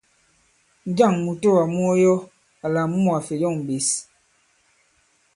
Njâŋ mùtoà mu ɔ yɔ àlà mu ka-fè yɔ̀ŋ ɓěs?